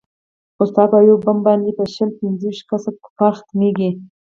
خو ستا په يو بم باندې به شل پينځه ويشت کسه کفار ختميګي.